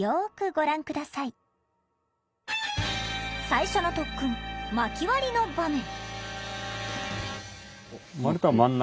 最初の特訓まき割りの場面。